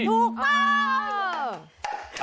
ถูกต้อง